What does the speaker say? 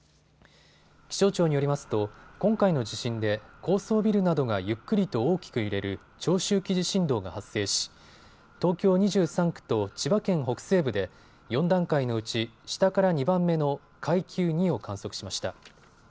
気象庁によりますと今回の地震で高層ビルなどがゆっくりと大きく揺れる長周期地震動が発生し東京２３区と千葉県北西部で４段階のうち下から２番目の階級２を観測しました。